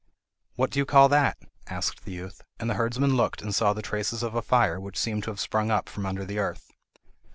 "What do you call that?" asked the youth. And the herdsman looked and saw the traces of a fire, which seemed to have sprung up from under the earth.